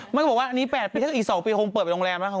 มันก็บอกว่าอันนี้๘ปีถ้าอีก๒ปีคงเปิดไปโรงแรมนะคุณแม่